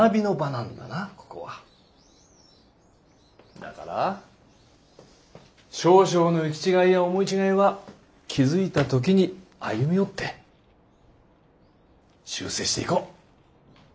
だから少々の行き違いや思い違いは気付いた時に歩み寄って修正していこう。